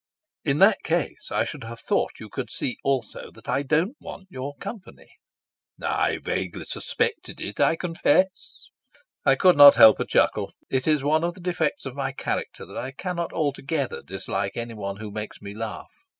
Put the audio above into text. "In that case I should have thought you could see also that I don't want your company." "I vaguely suspected it, I confess." I could not help a chuckle. It is one of the defects of my character that I cannot altogether dislike anyone who makes me laugh.